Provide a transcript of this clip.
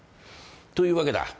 というわけだ。